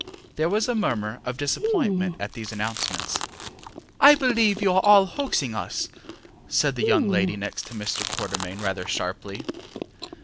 ŌĆØ There was a murmur of disappointment at these announcements. ŌĆ£I believe you are all hoaxing us, ŌĆØ said the young lady next Mr. Quatermain, rather sharply.